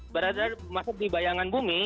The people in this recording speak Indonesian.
berada masuk di bayangan bumi